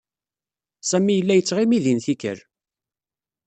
Sami yella yettɣimi din tikkal.